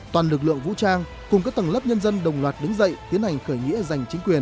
toàn lực lượng vũ trang cùng các tầng lớp nhân dân đồng loạt đứng dậy tiến hành khởi nghĩa giành chính quyền